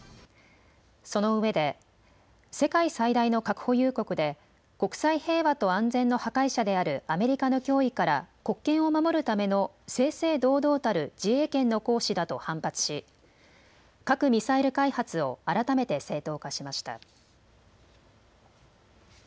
そのうえで世界最大の核保有国で国際平和と安全の破壊者であるアメリカの脅威から国権を守るための正々堂々たる自衛権の行使だと反発し核・ミサイル開発を改めて正当化しました。